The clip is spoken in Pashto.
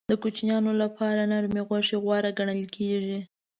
د کوچنیانو لپاره نرمې غوښې غوره ګڼل کېږي.